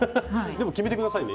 でも決めて下さいね